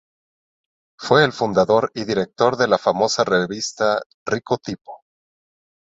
Fue el fundador y director de la famosa revista Rico Tipo.